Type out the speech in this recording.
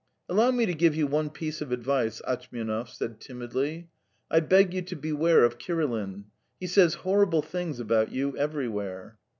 "Allow me to give you one piece of advice," Atchmianov said timidly. "I beg you to beware of Kirilin. He says horrible things about you everywhere."